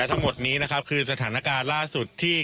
ทั้งหมดนี้นะครับคือสถานการณ์ล่าสุดที่